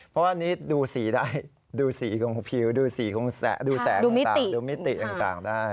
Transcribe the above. เพราะว่าอันนี้ดูสีได้ดูสีของผิวดูสีของดูแสงต่างดูมิติต่างได้